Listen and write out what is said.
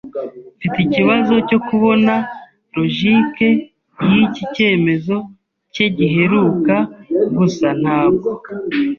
Mfite ikibazo cyo kubona logique yiki cyemezo cye giheruka. Gusa ntabwo